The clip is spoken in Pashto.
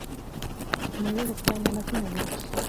میوې د خدای نعمتونه دي.